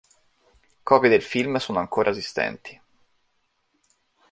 Copie del film sono ancora esistenti.